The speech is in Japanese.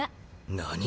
何⁉